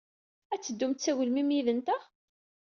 Ad teddumt s agelmim yid-nteɣ?